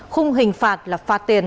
khung hình phạt là phạt tiền